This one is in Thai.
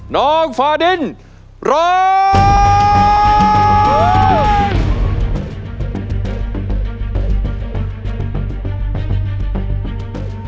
น้องฟาดินร้อง